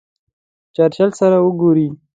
د چرچل سره وګوري.